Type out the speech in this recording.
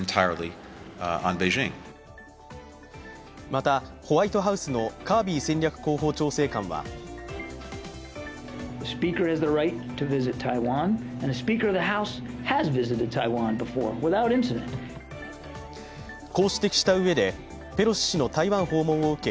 またホワイトハウスのカービー戦略広報調整官はこう指摘したうえでペロシ氏の台湾訪問を受け